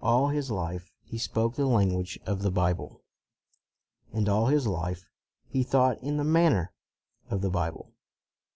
All his life, he spoke the language of the Bible. And all his life, he thought in the manner of the Bible.